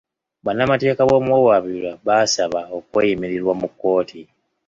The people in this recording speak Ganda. Bannamateeka b'omuwawaabirwa baasaba okweyimirirwa mu kkooti.